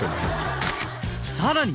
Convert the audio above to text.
さらに